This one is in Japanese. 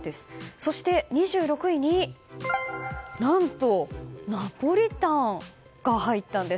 そして２６位に何と、ナポリタンが入ったんです。